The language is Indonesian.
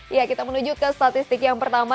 ya kita menuju ke statistik yang pertama